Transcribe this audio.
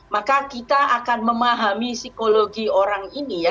maka kita akan memahami psikologi orang ini ya